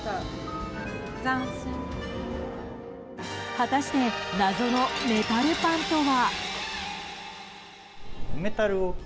果たして謎のメタルパンとは。